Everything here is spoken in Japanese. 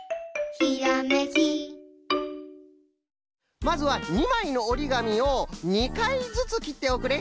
まずは２まいのおりがみを２かいずつきっておくれ。